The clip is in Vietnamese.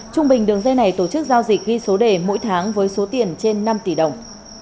trung bình đường dây này tổ chức giao dịch ghi số đề mỗi tháng với số tiền trên năm tỷ đồng